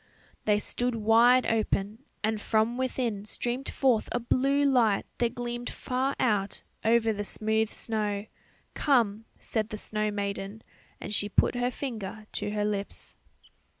They stood wide open, and from within streamed forth a blue light that gleamed far out over the smooth snow. "Come," said the snow maiden, and she put her finger to her lips.